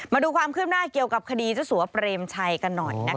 มาดูความคืบหน้าเกี่ยวกับคดีเจ้าสัวเปรมชัยกันหน่อยนะคะ